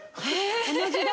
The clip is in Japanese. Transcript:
同じだ。